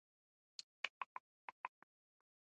.په دې وخت کې جبارکاکا له زليخا څخه پوښتنه وکړ.